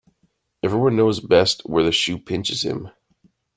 Every one knows best where the shoe pinches him.